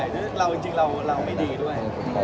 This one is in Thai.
คนเรามันก็ไม่ได้ดีนะ